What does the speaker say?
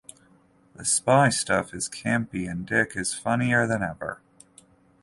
The spy stuff is campy and Dick is funnier than ever.